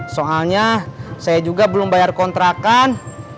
soalnya saya juga belum bayar kontrakan